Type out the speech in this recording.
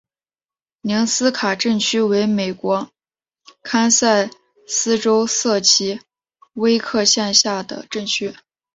宁斯卡镇区为美国堪萨斯州塞奇威克县辖下的镇区。